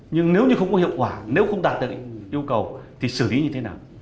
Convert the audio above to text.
nhưng nếu như không có hiệu quả nếu không đạt được yêu cầu thì xử lý như thế nào